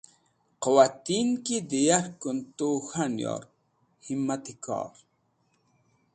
Qẽwatin ki dẽ yarkẽn tu k̃han yor, himati kor.